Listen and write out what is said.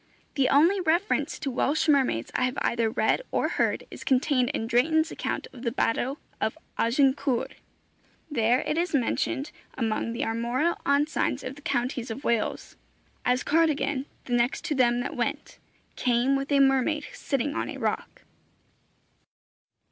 The only reference to Welsh mermaids I have either read or heard is contained in Drayton's account of the Battle of Agincourt. There it is mentioned, among the armorial ensigns of the counties of Wales: As Cardigan, the next to them that went, Came with a mermaid sitting on a rock.